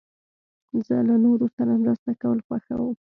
زه له نورو سره مرسته کول خوښوم.